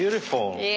ええ。